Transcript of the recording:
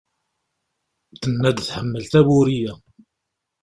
Tenna-d tḥemmel tawuri-a.